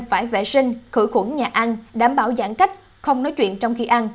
phải vệ sinh khử khuẩn nhà ăn đảm bảo giãn cách không nói chuyện trong khi ăn